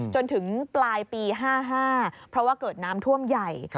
จนถึงปลายปี๕๕เพราะว่าเกิดน้ำท่วมใหญ่